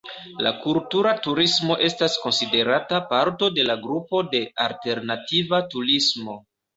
La kultura turismo estas konsiderata parto de la grupo de "alternativa turismo".